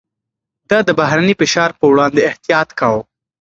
ده د بهرني فشار پر وړاندې احتياط کاوه.